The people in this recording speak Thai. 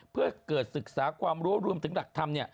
เพื่อเกิดศึกษาความรู้รวมถึงหลักธรรม